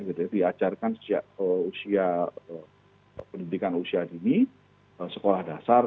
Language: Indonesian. jadi diajarkan sejak pendidikan usia dini sekolah dasar